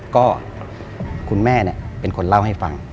ก็คุณแม่เป็นคนเล่าให้ฟัง